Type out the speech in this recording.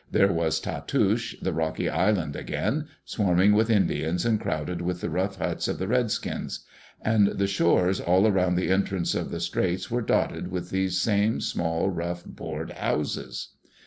There was Tatoosh, the rocky island, again, swarming with Indians and crowded with the rough huts of the redskins. And the shores all around the entrance of the straits were dotted with these same small, rough, board houses.